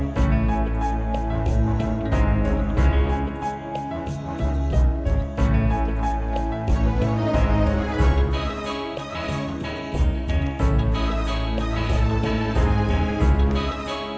jalan menjadi kecepatan untuk memberikan makanan yang lebih perlukan